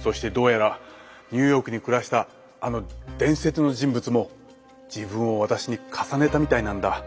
そしてどうやらニューヨークに暮らしたあの伝説の人物も自分を私に重ねたみたいなんだ。